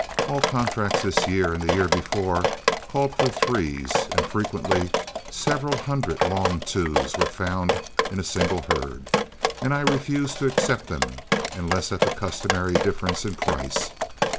All contracts this year and the year before called for threes, and frequently several hundred long twos were found in a single herd, and I refused to accept them unless at the customary difference in price.